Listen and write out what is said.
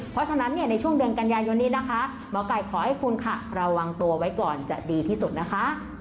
เพราะฉะนั้นเนี่ยในช่วงเดือนกันยายนนี้นะคะหมอไก่ขอให้คุณค่ะระวังตัวไว้ก่อนจะดีที่สุดนะคะ